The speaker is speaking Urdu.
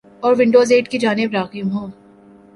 اور ونڈوز ایٹ کی جانب راغب ہوں ۔